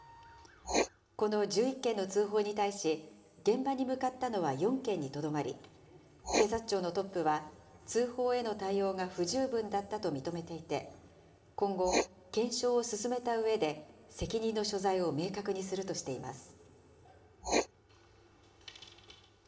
この１１件の通報に対し、現場に向かったのは４件にとどまり、警察庁のトップは、通報への対応が不十分だったと認めていて、今後、検証を進めたうえで、責任の所在を明確にするとしています。